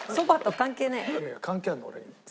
関係あるの俺には。